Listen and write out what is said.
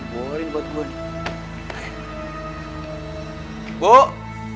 boring buat gue nek